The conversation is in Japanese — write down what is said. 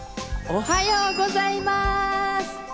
おはようございます！